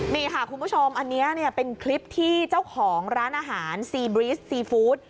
นี่ค่ะคุณผู้ชมอันนี้เป็นคลิปที่เจ้าของร้านอาหารซีบรีสซีฟู้ด